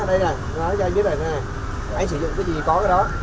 đây nè nói cho anh biết này anh sử dụng cái gì có cái đó